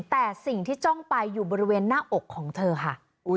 แต่สิ่งที่จ้องไปอยู่บริเวณหน้าอกของเธอค่ะ